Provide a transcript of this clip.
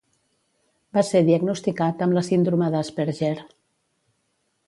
Va ser diagnosticat amb la síndrome d'Asperger.